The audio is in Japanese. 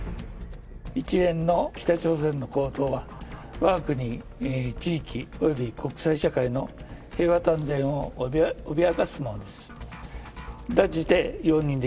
一連の北朝鮮の行動は、わが国地域、および国際社会の平和と安全を脅かすものです。